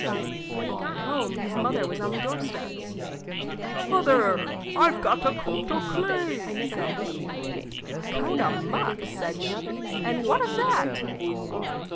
When he got home his mother was on the doorstep. "Mother, I 've got a coat o' clay," said he. "Coat o' muck," said she; "and what of that?"